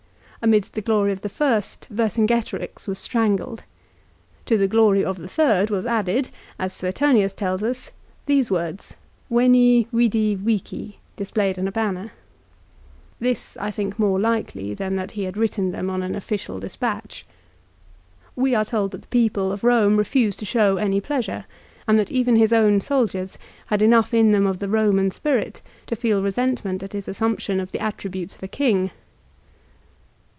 1 Amidst the glory of the first Vercingetorix was strangled. To the glory of the third was added, as Suetonius tell us, these words, " Veni, vidi, vici ;" displayed on a banner. This I think more likely than that he had written them on an official despatch. We are told that the people of Eome refused to show any pleasure, and that even his own soldiers had enough in them of the Eoinan spirit to feel resentment at his assumption of the attributes of a king.